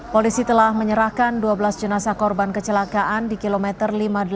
polisi telah menyerahkan dua belas jenazah korban kecelakaan di kilometer lima puluh delapan